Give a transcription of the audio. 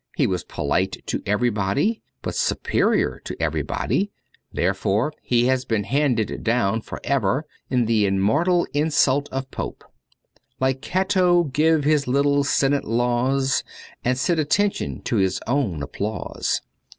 He was polite to everybody, but superior to every body ; therefore he has been handed down for ever in the immortal insult of Pope :— Like Cato give his little Senate laws And sit attention to his own applause.